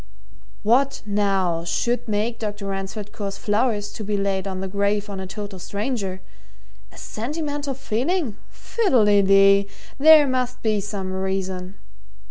"What, now, should make Dr. Ransford cause flowers to be laid on the grave of a total stranger? A sentimental feeling? Fiddle de dee! There must be some reason."